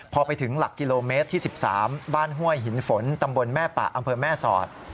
พอไปถึงหลักกิโลเมตรที่๑๓บ้านห้วยหินฝนตำบลแม่ปะอำเภอแม่สอด